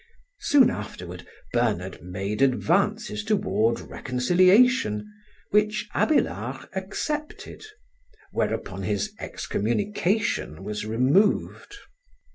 Soon afterward Bernard made advances toward reconciliation, which Abélard accepted; whereupon his excommunication was removed.